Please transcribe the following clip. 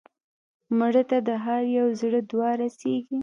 مړه ته د هر یو زړه دعا رسېږي